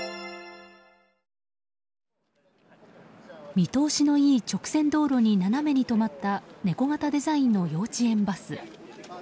見通しのいい直線道路に斜めに止まった猫型デザインの幼稚園バス。